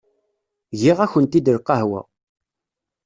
Giɣ-akent-id lqahwa.